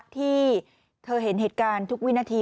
ที่เธอเห็นเหตุการณ์ทุกวินาที